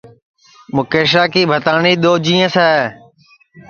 مُکیشا کی بھتاٹؔی دؔو جینٚیس ہے